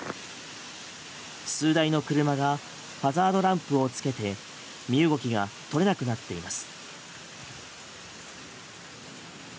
数台の車がハザードランプをつけて身動きが取れなくなっています。